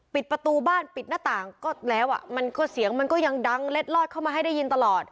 ปิดประตูบ้านปิดหน้าต่างก็แล้วอ่ะมันก็เสียงมันก็ยังดังเล็ดลอดเข้ามาให้ได้ยินตลอด